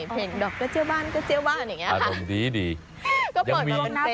เพลงดอกกระเจียวบานอย่างนี้นะคะหาตรงนี้ดี